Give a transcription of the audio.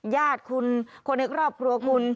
ญาติคุณคนในครอบครัวคุณ